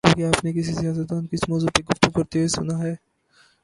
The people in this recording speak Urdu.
کبھی آپ نے کسی سیاستدان کو اس موضوع پہ گفتگو کرتے سنا ہے؟